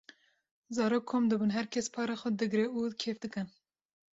zarok kom dibin herkes para xwe digre û kêf dikin.